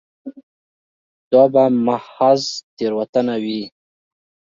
دا به محض تېروتنه وي.